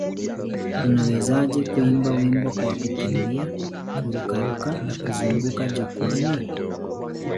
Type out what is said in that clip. Unawezaje kuimba wimbo kwa kukimbia, kururuka na kuzunguka jukwaani?